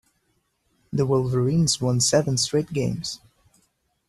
The Wolverines won seven straight games.